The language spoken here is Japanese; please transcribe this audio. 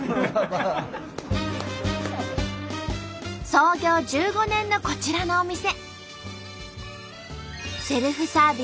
創業１５年のこちらのお店。